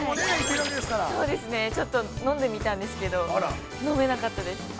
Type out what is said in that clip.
◆ちょっと飲んでみたんですけど、飲めなかったです。